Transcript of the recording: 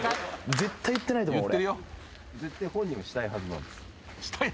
絶対言ってないと思う俺。